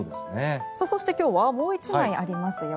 そして、今日はもう１枚ありますよ。